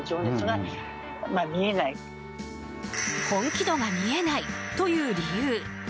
本気度が見えないという理由。